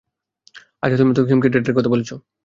আচ্ছা, তো তুমি কিমকে ডেটের কথা বলেছো?